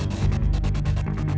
aku tetep gak mau